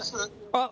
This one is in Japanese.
あっ。